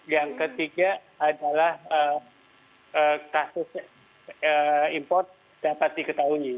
yang ketiga adalah kasus import dapat diketahui